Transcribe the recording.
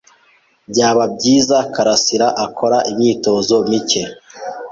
Byaba byiza Karasiraakora imyitozo mike.